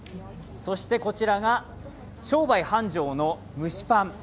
そしてこちらが商売繁盛の蒸しパン。